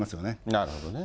なるほどね。